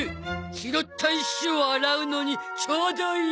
拾った石を洗うのにちょうどいい。